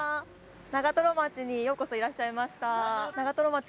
長町にようこそいらっしゃいました。